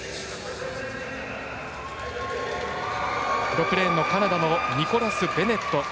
６レーンのカナダのニコラス・ベネット。